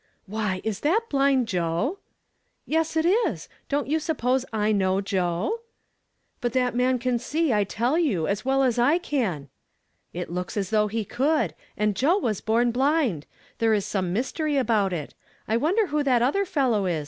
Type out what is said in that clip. " Why, that isn't blind Joe ?"" Yes, it is ! Don't you suppose T know Joe ?"" But that man can see, I tell you, as well as I can." " It looks as though he could ; and Joe was born blind ! There is some mystery about it. I wonder who that other fellow is